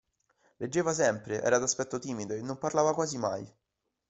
Leggeva sempre, era d'aspetto timido, e non parlava quasi mai.